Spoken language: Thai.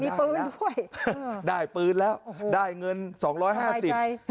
มีปืนด้วยได้ปืนแล้วได้เงินสองร้อยห้าสิบใช่